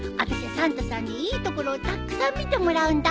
サンタさんにいいところをたっくさん見てもらうんだ。